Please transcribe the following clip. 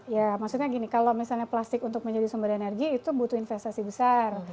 ya maksudnya gini kalau misalnya plastik untuk menjadi sumber energi itu butuh investasi besar